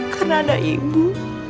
karena ada ibu